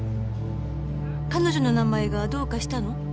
彼女の名前がどうかしたの？